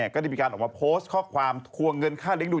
ก็ได้มีการออกมาโพสต์ข้อความทวงเงินค่าเลี้ยงดู